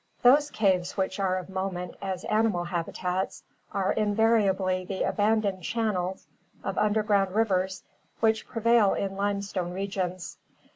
— Those caves which are of moment as animal habitats are invariably the abandoned channels of underground rivers which prevail in limestone regions.